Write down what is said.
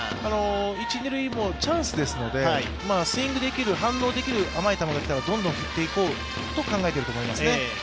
一・二塁もチャンスですのでスイングできる、反応できる甘い球が来たらどんどん振っていこうと考えていると思いますね。